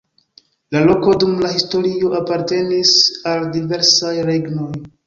La loko dum la historio apartenis al diversaj regnoj.